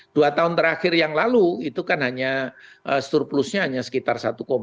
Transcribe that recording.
dua tahun terakhir yang lalu itu kan hanya surplusnya hanya sekitar satu empat